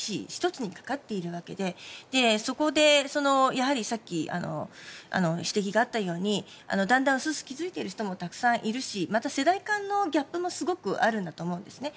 １つにかかっているわけでそこで、さっき指摘があったようにだんだん薄々気づいている人もたくさんいるしまた世代間のギャップもすごくあるんだと思うんですね。